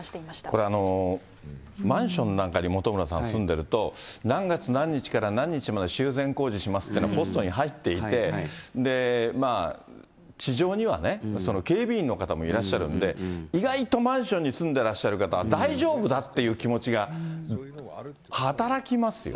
これ、マンションなんかに、本村さん、住んでると、何月何日から何日まで修繕工事しますってのがポストに入っていて、地上にはね、警備員の方もいらっしゃるんで、意外とマンションに住んでらっしゃる方は、大丈夫だっていう気持ちが働きますよね。